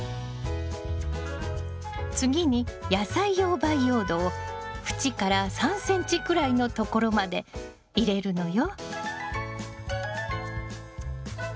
次に野菜用培養土を縁から３ｃｍくらいのところまで入れるのよ。